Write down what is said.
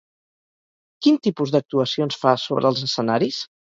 Quin tipus d'actuacions fa sobre els escenaris?